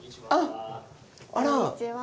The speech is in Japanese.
こんにちは！